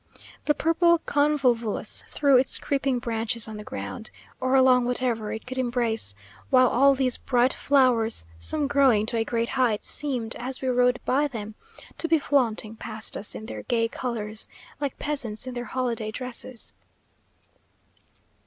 The purple convolvulus threw its creeping branches on the ground, or along whatever it could embrace; while all these bright flowers, some growing to a great height, seemed, as we rode by them, to be flaunting past us in their gay colours, like peasants in their holiday dresses.